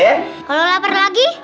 kalau lapar lagi